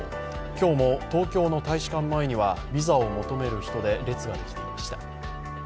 今日も東京の大使館前にはビザを求める人で列ができていました。